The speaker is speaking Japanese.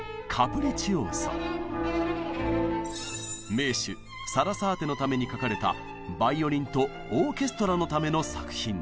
名手サラサーテのために書かれたバイオリンとオーケストラのための作品です。